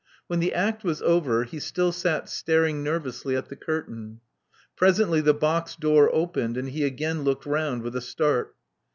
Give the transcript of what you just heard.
When the act was over, he still sat staring nervously at the curtain. Presently the box door opened; and he again looked round with a start.